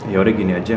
ya udah gini aja